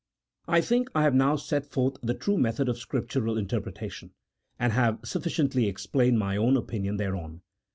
I think I have now set forth the true method of Scrip tural interpretation, and have sufficiently explained my own opinion thereon.